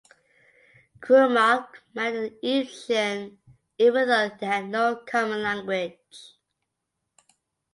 Nkrumah married an Egyptian even though they had no common language.